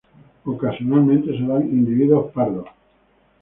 Ocasionalmente se dan individuos pardos.